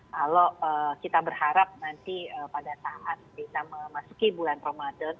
kalau kita berharap nanti pada saat kita memasuki bulan ramadan